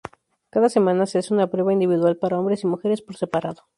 Cada semana se hace una prueba individual para hombres y mujeres por separado.